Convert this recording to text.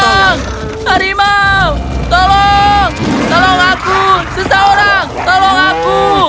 tolong harimau tolong tolong aku seseorang tolong aku